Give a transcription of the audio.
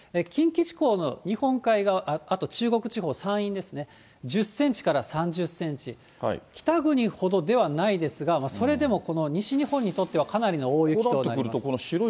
近畿地方の日本海側、あと中国地方、山陰ですね、１０センチから３０センチ、北国ほどではないですが、それでもこの西日本にとっては、かなりの大雪となります。